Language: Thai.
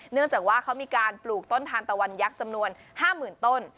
เนื่องจากว่าเขามีการปลูกต้นทานตะวันยักษ์จำนวน๕๐๐๐ต้น